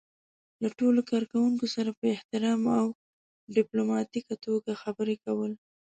له ټولو کار کوونکو سره په احترام او ډيپلوماتيکه توګه خبرې کول.